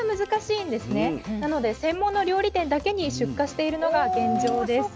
なので専門の料理店だけに出荷しているのが現状です。